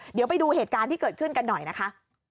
เดี๋ยวไปดูเหตุการณ์ที่เกิดขึ้นกันหน่อยนะคะ